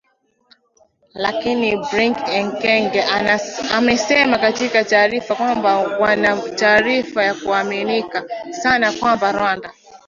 Lakini Brig Ekenge amesema katika taarifa kwamba wana taarifa za kuaminika sana kwamba Rwanda